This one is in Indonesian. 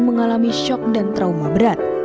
mengalami syok dan trauma berat